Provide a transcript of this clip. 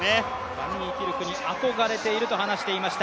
バンニーキルクに憧れていると話していました。